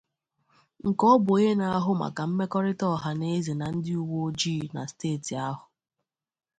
nke ọ bụ onye na-ahụ maka mmekọrịta ọhaneze na ndị uweojii na steeti ahụ